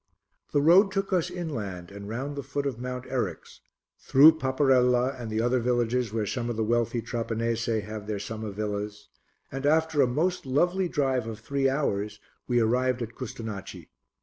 The road took us inland and round the foot of Mount Eryx, through Paparella and the other villages where some of the wealthy Trapanese have their summer villas, and after a most lovely drive of three hours, we arrived at Custonaci.